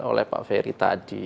oleh pak ferry tadi